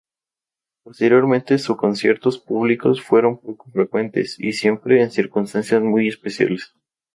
Posteriormente su conciertos públicos fueron poco frecuentes y siempre en circunstancias muy especiales.